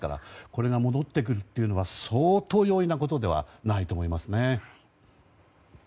これが戻っていくというのは相当容易なことではないと思いますね。